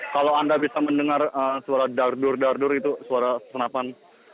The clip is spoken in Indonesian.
kalau anda bisa mendengar suara dardur dardur itu suara senapan